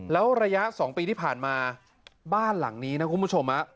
แล้วระยะ๒ปีที่ผ่านมาบ้านหลังนี้นะคุณผู้ชม